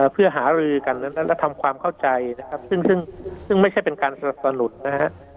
เพื่อหารือกันและทำความเข้าใจซึ่งไม่ใช่เป็นการสนุนนะครับ